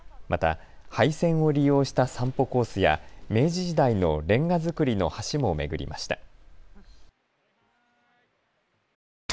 また廃線を利用した散歩コースや明治時代のれんが造りの橋も巡りました。